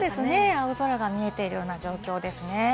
青空が見えているような状況ですね。